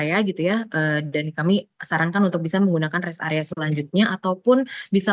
raya gitu ya dan kami sarankan untuk bisa menggunakan rest area selanjutnya ataupun bisa